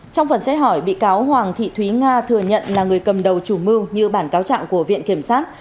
trong phần xét hỏi bị cáo hoàng thị thúy nga thừa nhận là người cầm đầu chủ mưu như bản cáo trạng của viện kiểm sát